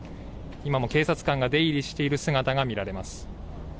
今も警察官が出入りしている姿が見られます。